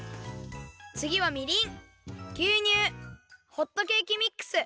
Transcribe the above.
つぎはみりんぎゅうにゅうホットケーキミックス。